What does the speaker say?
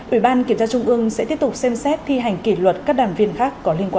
ủy ban kiểm tra trung ương sẽ tiếp tục xem xét thi hành kỷ luật các đảng viên khác có liên quan